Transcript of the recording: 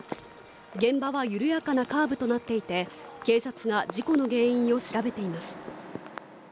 現場は緩やかなカーブとなっていて警察が事故の原因を調べています